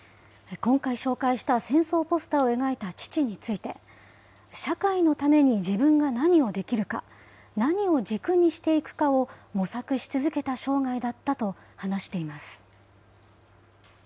今回紹介した戦争ポスターを描いた父について、社会のために自分が何をできるか、何を軸にしていくかを模索し続けた生涯だったと話しています。